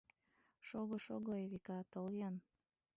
— Шого, шого, Эвика, тол-ян!